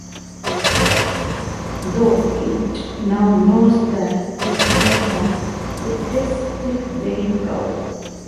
Though it now knows that it is small, it is still very proud.